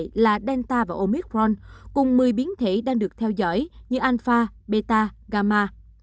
những biến thể đáng lo ngại là delta và omicron cùng một mươi biến thể đang được theo dõi như alpha beta gamma